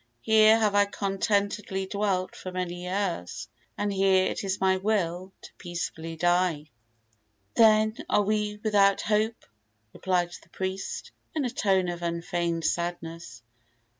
Here have I contentedly dwelt for many years, and here it is my will to peacefully die." "Then are we without hope," replied the priest, in a tone of unfeigned sadness.